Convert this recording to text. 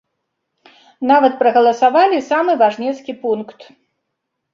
Нават прагаласавалі самы важнецкі пункт.